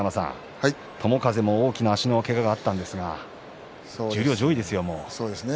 友風も大きな足のけががあったんですが十両上位ですよ、もう。